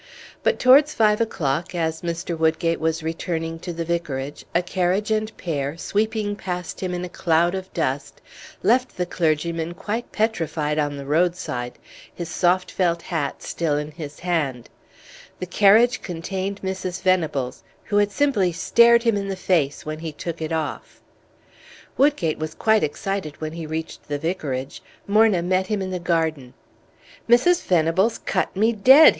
But towards five o'clock, as Mr. Woodgate was returning to the Vicarage, a carriage and pair, sweeping past him in a cloud of dust, left the clergyman quite petrified on the roadside, his soft felt hat still in his hand; the carriage contained Mrs. Venables, who had simply stared him in the face when he took it off. Woodgate was quite excited when he reached the Vicarage. Morna met him in the garden. "Mrs. Venables cut me dead!"